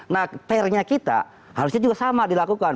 nah pairnya kita harusnya juga sama dilakukan